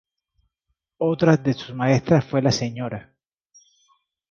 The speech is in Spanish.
Otra de sus maestras fue la Sra.